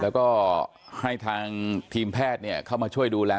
แล้วก็ให้ทางทีมแพทย์เข้ามาช่วยดูแล